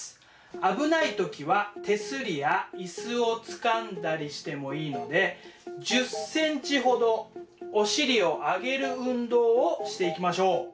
危ない時は手すりや椅子をつかんだりしてもいいので１０センチほどお尻をあげる運動をしていきましょう。